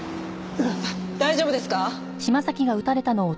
大丈夫ですか？